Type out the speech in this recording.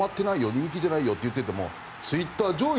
人気じゃないよと言っていてもツイッター上位